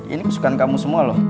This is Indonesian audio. ini kesukaan kamu semua loh